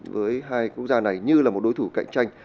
với hai quốc gia này như là một đối thủ cạnh tranh